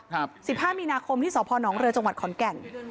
สิบห้ามีนาคมที่สพนเรือจังหวัดขอนแก่น